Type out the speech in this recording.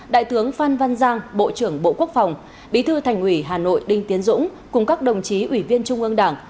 đại tướng phan văn giang bộ trưởng bộ quốc phòng bí thư thành ủy hà nội đinh tiến dũng cùng các đồng chí ủy viên trung ương đảng